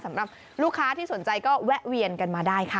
สำหรับลูกค้าที่สนใจก็แวะเวียนกันมาได้ค่ะ